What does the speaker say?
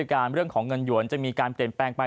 การเรื่องของเงินหยวนจะมีการเปลี่ยนแปลงไป